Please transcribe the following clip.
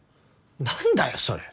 何だよそれ。